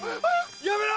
やめろ！